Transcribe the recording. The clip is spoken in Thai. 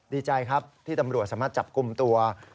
ดีใจครับที่ตำรวจสามารถจับกลุ่มตัว